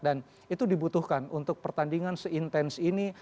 dan itu dibutuhkan untuk pertandingan se intense ini